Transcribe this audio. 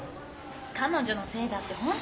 彼女のせいだってホント？